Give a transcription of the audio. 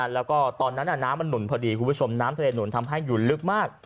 แล้วก็ตอนนั้นน้ำมันหนุนพอดีคุณผู้ชมน้ำทะเลหนุนทำให้อยู่ลึกมาก